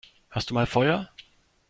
Hast du mal Feuer?